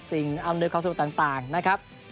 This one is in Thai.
สิ่งอำนวยความสุดต่างนะครับ